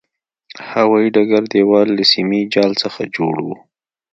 هوایي ډګر دېوال له سیمي جال څخه جوړ و.